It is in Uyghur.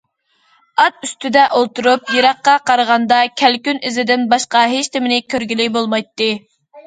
ئات ئۈستىدە ئولتۇرۇپ يىراققا قارىغاندا، كەلكۈن ئىزىدىن باشقا ھېچنېمىنى كۆرگىلى بولمايتتى.